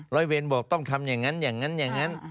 ร้อยเวรบอกต้องทำอย่างนั้นอย่างนั้นอย่างนั้น